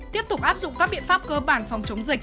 tiếp tục áp dụng các biện pháp cơ bản phòng chống dịch